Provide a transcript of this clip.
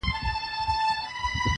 نه ګرځي ژرندې تل د سوال په اوبو